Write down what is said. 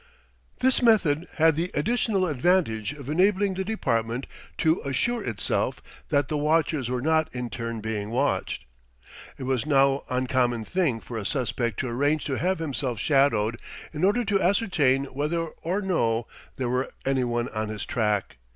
This method had the additional advantage of enabling the Department to assure itself that the watchers were not in turn being watched. It was no uncommon thing for a suspect to arrange to have himself shadowed in order to ascertain whether or no there were any one on his track.